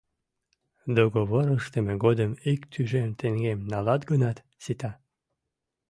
Договор ыштыме годым ик тӱжем теҥгем налат гынат, сита.